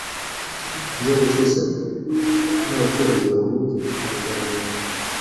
inzego zose ndetse n’abaturage bahuye baraganira